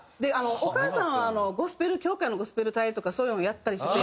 お母さんはゴスペル教会のゴスペル隊とかそういうのをやったりして。